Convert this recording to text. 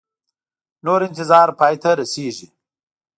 نور انتظار پای ته رسیږي